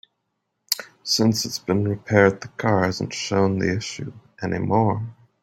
Since it's been repaired, the car hasn't shown the issue any more.